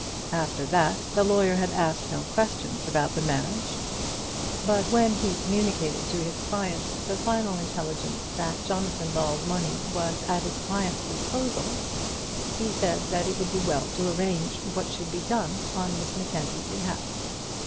After that the lawyer had asked no question about the marriage; but when he communicated to his client the final intelligence that Jonathan Ball's money was at his client's disposal, he said that it would be well to arrange what should be done on Miss Mackenzie's behalf.